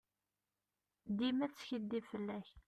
Dima teskidib fell-ak.